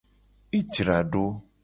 E jra do.